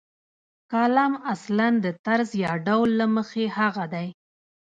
کالم اصلاً د طرز یا ډول له مخې هغه دی.